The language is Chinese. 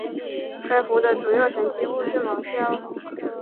该湖的主要沉积物是芒硝。